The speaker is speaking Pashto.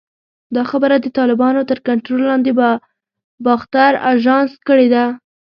دا خبره د طالبانو تر کنټرول لاندې باختر اژانس کړې ده